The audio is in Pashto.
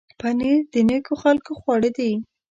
پنېر د نېکو خلکو خواړه دي.